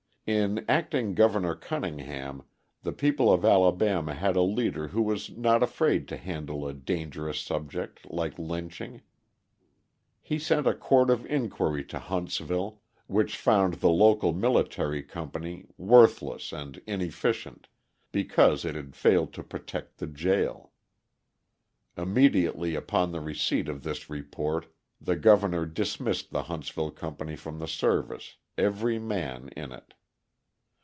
In Acting Governor Cunningham, the people of Alabama had a leader who was not afraid to handle a dangerous subject like lynching. He sent a court of inquiry to Huntsville, which found the local military company "worthless and inefficient," because it had failed to protect the jail. Immediately, upon the receipt of this report, the Governor dismissed the Huntsville company from the service, every man in it.